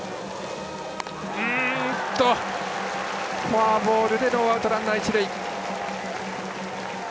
フォアボールでノーアウトランナー、一塁。